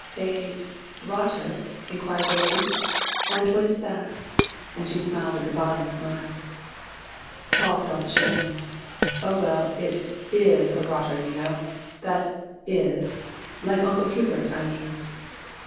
"A rotter?" inquired the lady. "And what is that?" And she smiled a divine smile. Paul felt ashamed. "Oh! well, it is a rotter, you know that is like Uncle Hubert, I mean."